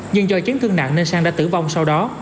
nhưng do chiến thương nạn nên sang đã tử vong sau đó